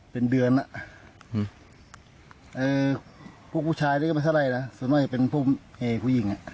เป็นเดือนพวกผู้ชายนี่ก็ไม่เท่าไหร่นะส่วนมากจะเป็นพวกผู้หญิงอ่ะ